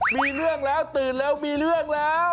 มีเรื่องแล้วตื่นแล้วตื่น